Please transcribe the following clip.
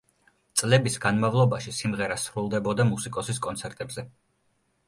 წლების განმავლობაში სიმღერა სრულდებოდა მუსიკოსის კონცერტებზე.